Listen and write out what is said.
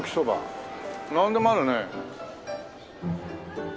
なんでもあるね。